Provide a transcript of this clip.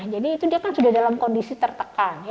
jadi itu dia kan sudah dalam kondisi tertekan